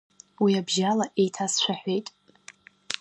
Уи абжьала еиҭа сшәаҳәеит.